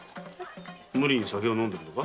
無理して飲んでるのか？